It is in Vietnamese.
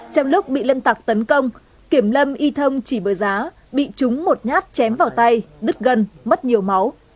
trong lúc bị lâm tặc tấn công kiểm lâm y thông chỉ bởi giá bị trúng một nhát chém vào tay đứt gần mất nhiều máu